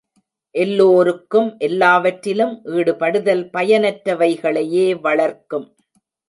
எல்லோருக்கும் எல்லாவற்றிலும் ஈடுபடுதல் பயனற்றவைகளையே வளர்க்கும்.